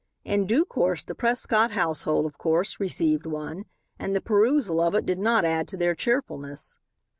In due course the Prescott household, of course, received one, and the perusal of it did not add to their cheerfulness.